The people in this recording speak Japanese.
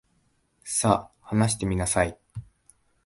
さ、話してみなさい。